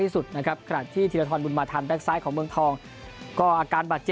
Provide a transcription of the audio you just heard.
สิบน้ำเตะเมืองทองเดินทางมา